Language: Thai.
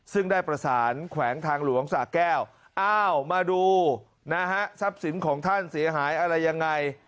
ซึ่งได้ประสานแขวงทางหลวงสาแก้วอ้าวมาดูนะฮะทรัพย์สินของท่านเสียหายอะไรยังไง